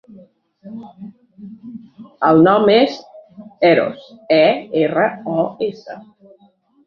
El nom és Eros: e, erra, o, essa.